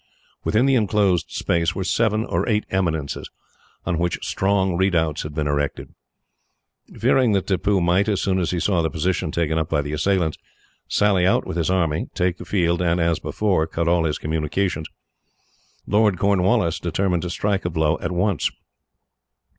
Within the enclosed space were seven or eight eminences, on which strong redoubts had been erected. Fearing that Tippoo might, as soon as he saw the position taken up by the assailants, sally out with his army, take the field, and, as before, cut all his communications, Lord Cornwallis determined to strike a blow at once.